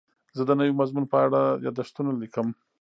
زه د نوي مضمون په اړه یادښتونه لیکم.